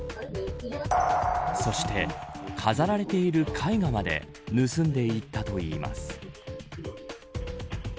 そして、飾られている絵画まで盗んでいったといいます。